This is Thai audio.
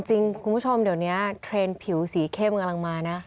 จริงคุณผู้ชมเดี๋ยวนี้เทรนด์ผิวสีเข้มกำลังมานะ